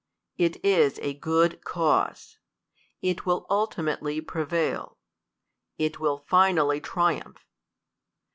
It is a good cause. It will ultimately prevail. It will finally tri umph.